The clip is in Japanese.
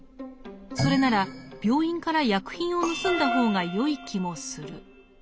それなら病院から薬品を盗んだ方がよい気もする。